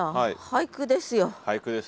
俳句です。